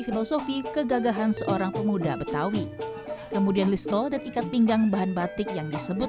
filosofi kegagahan seorang pemuda betawi kemudian lisko dan ikat pinggang bahan batik yang disebut